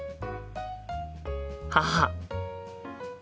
母。